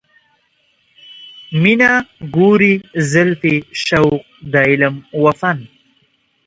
مینه، ګورې زلفې، شوق د علم و فن